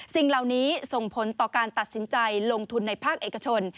สิ่งเหล่านี้ส่งผลต่อการตัดสินใจลงทุนในภาคเอกชน